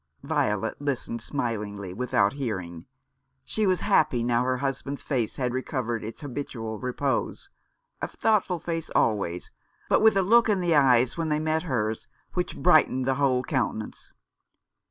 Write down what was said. Violet listened smilingly, without hearing. She was happy now her husband's face had recovered its habitual repose^ a thoughtful face always, but with a look in the eyes when they met hers which brightened the whole countenance.